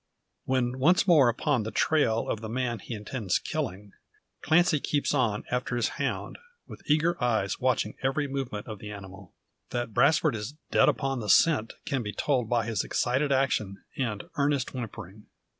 When once more upon the trail of the man he intends killing, Clancy keeps on after his hound, with eager eyes watching every movement of the animal. That Brasfort is dead upon the scent can be told by his excited action, and earnest whimpering.